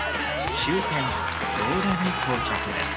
終点強羅に到着です。